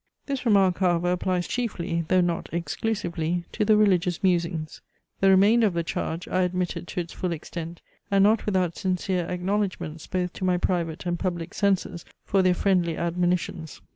This remark however applies chiefly, though not exclusively, to the Religious Musings. The remainder of the charge I admitted to its full extent, and not without sincere acknowledgments both to my private and public censors for their friendly admonitions.